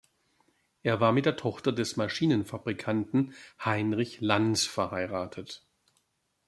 Er war mit der Tochter des Maschinenfabrikanten Heinrich Lanz verheiratet.